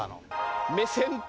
目線と。